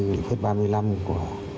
như lịch huyết ba mươi năm của